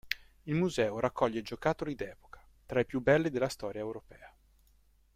Il museo raccoglie giocattoli d’epoca, tra i più belli della storia europea.